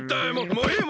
もういい！